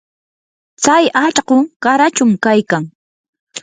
tsay allqu qarachum kaykan.